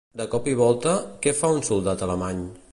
De cop i volta, què fa un soldat alemany?